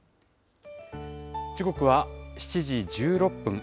時刻は７時１６分。